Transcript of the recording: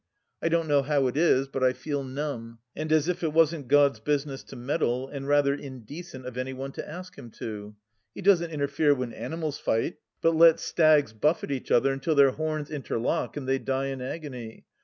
I don't know how it is, but I feel numb, and as if it wasn't Gtod's business to meddle, and rather indecent of any one to ask Him to. He doesn't interfere when animals fight, but lets stags buffet each other until their horns interlock and they die in agony.